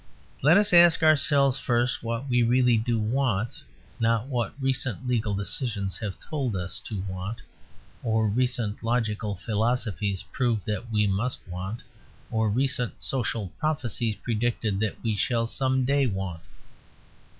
Let us ask ourselves first what we really do want, not what recent legal decisions have told us to want, or recent logical philosophies proved that we must want, or recent social prophecies predicted that we shall some day want.